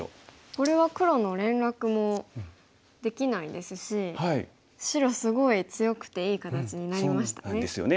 これは黒の連絡もできないですし白すごい強くていい形になりましたね。